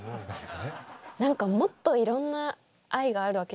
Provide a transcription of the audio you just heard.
何かもっといろんな愛があるわけじゃないですか。